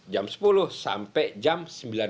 jam sepuluh sampai jam sembilan belas